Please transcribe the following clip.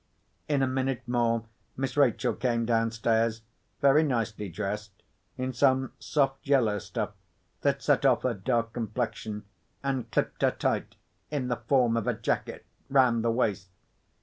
In a minute more, Miss Rachel came downstairs—very nicely dressed in some soft yellow stuff, that set off her dark complexion, and clipped her tight (in the form of a jacket) round the waist.